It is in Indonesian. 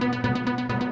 baik pak andin